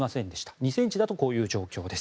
２ｃｍだとこういう状況です。